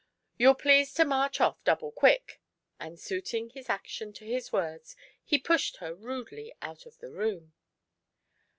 You'll please to march off double quick," and, suiting his action to his words, he pushed her rudely out of the room.